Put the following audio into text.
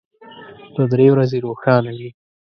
دوه درې ورځې روښانه وي.